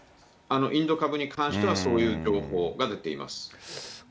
インド株に関してはそういう情報が出ています。